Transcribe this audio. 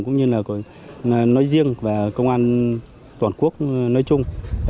cũng như là nói riêng và công an toàn quốc nói chung